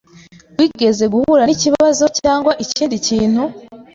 Wigeze guhura nikibazo cyangwa ikindi kintu?